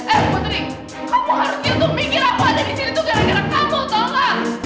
eh putri kamu harus yutung mikir aku ada disini tuh gara gara kamu tau gak